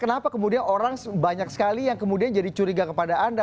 kenapa kemudian orang banyak sekali yang kemudian jadi curiga kepada anda